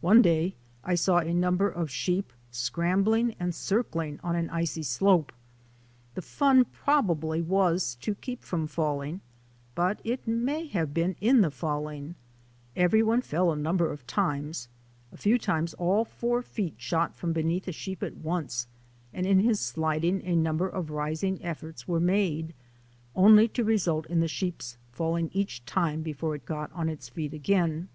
One day I saw a number of sheep scrambling and circling on an icy slope. The fun probably was to keep from falling, but it may have been in the 2io THE ADVENTURES OF A NATURE GUIDE falling. Every one fell a number of times. A few times all four feet shot from beneath a sheep at once, and in his sliding a number of rising efforts were made, only to result in the sheep's falling each time before it got on its feet again.